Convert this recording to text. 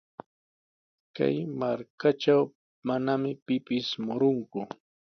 Kay markatraw manami pipis murunku.